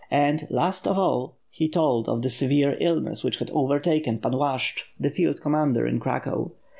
And, last of all, he told of the severe illness which had overtaken Pan Lashch the field commander in Cracow.